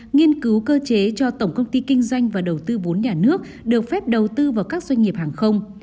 nghiên cứu cơ chế cho tổng công ty kinh doanh và đầu tư vốn nhà nước được phép đầu tư vào các doanh nghiệp hàng không